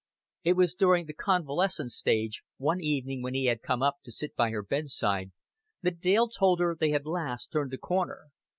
It was during the convalescent stage, one evening when he had come up to sit by her bedside, that Dale told her they had at last turned the corner.